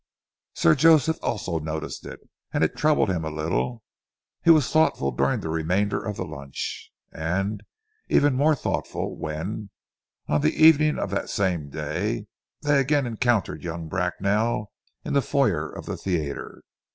Sir Joseph also noticed it, and it troubled him a little. He was thoughtful during the remainder of the lunch, and even more thoughtful when, on the evening of that same day, they again encountered young Bracknell in the foyer of the theatre.